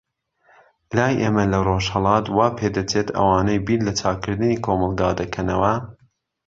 لای ئێمە لە ڕۆژهەلات، وا پێدەچێت ئەوانەی بیر لە چاکردنی کۆمەلگا دەکەنەوە.